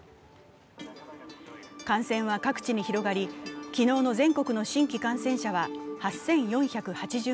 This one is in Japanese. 感染は各地に広がり、昨日の全国の新規感染者は８４８０人。